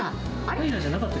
タイラじゃなかった。